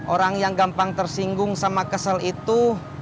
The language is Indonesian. orang yang gampang tersinggung sama kesel itu